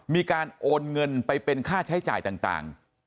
มีการโอนเงินไปเป็นค่าใช้จ่ายต่าง